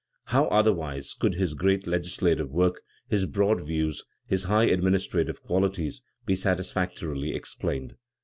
How otherwise could his great legislative work, his broad views, his high administrative qualities be satisfactorily explained?